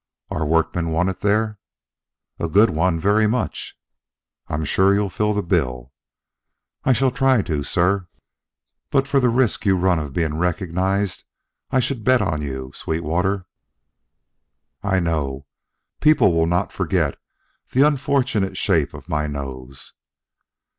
"Are workmen wanted there?" "A good one, very much." "I'm sure you'll fill the bill." "I shall try to, sir." "But for the risk you run of being recognized, I should bet on you, Sweetwater." "I know; people will not forget the unfortunate shape of my nose."